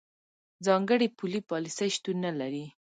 ځانګړې پولي پالیسۍ شتون نه لري.